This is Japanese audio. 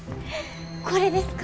これですか？